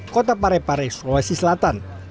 kota parepare sulawesi selatan